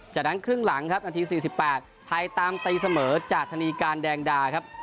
จากนั้นครึ่งหลังครับนาที๔๘ไทยตามตีเสมอจากธนีการแดงดาครับ